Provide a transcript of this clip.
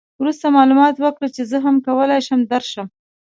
وروسته معلومات وکړه چې زه هم کولای شم درشم.